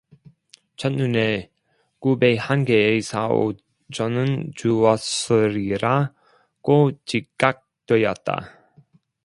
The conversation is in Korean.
첫눈에 그 배 한 개에 사오 전은 주었으리라 고 직각되었다.